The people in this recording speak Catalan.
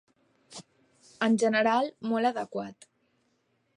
En general, molt adequat.